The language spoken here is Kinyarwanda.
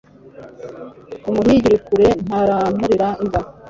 umuhigi uri kure ntaramurira imbwa